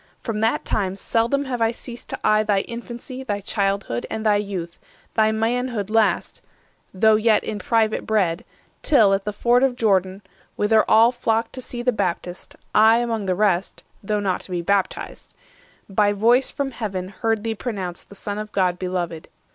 From that time seldom have I ceased to eye Thy infancy, thy childhood, and thy youth, Thy manhood last, though yet in private bred; Till, at the ford of Jordan, whither all 510 Flocked to the Baptist, I among the rest (Though not to be baptized), by voice from Heaven Heard thee pronounced the Son of God beloved.